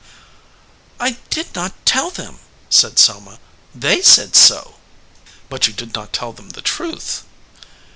"I did not tell them," said Selma. "They said so." "But you did not tell them the truth?"